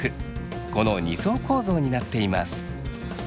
この２層構造になっています。